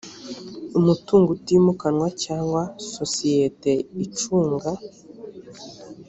umutungo utimukanwa cyangwa sosiyete icunga